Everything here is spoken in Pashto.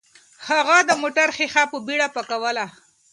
هغه د موټر ښیښه په بیړه پاکوله.